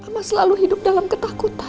kamu selalu hidup dalam ketakutan